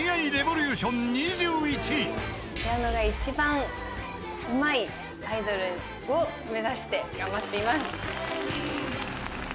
ピアノが一番うまいアイドルを目指して頑張っています。